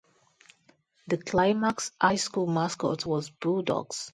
The Climax High School mascot was Bulldogs.